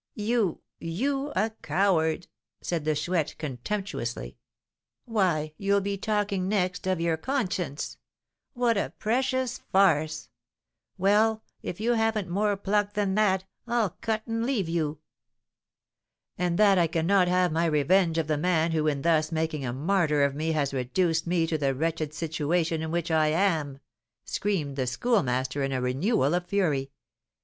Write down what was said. you you a coward!" said the Chouette, contemptuously. "Why, you'll be talking next of your conscience! What a precious farce! Well, if you haven't more pluck than that, I'll 'cut' and leave you." "And that I cannot have my revenge of the man who in thus making a martyr of me has reduced me to the wretched situation in which I am!" screamed the Schoolmaster, in a renewal of fury.